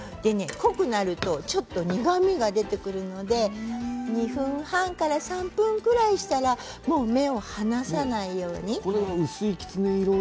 濃くなるとちょっと苦みが出てくるので２分半から３分ぐらいしたらもう目を離さないようにしてください。